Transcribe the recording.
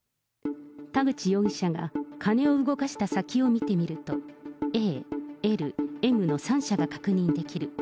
田口容疑者が金を動かした先を見てみると、Ａ、Ｌ、Ｍの３社が確認できる。